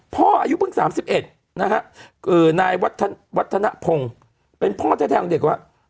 อายุเพิ่ง๓๑นะฮะนายวัฒนภงเป็นพ่อแท้ของเด็กว่า